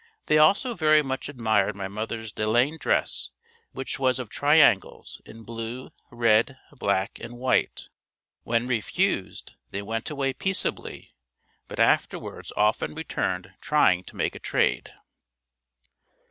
They also very much admired my mother's delaine dress which was of triangles in blue, red, black and white. When refused they went away peaceably but afterwards often returned trying to make a trade.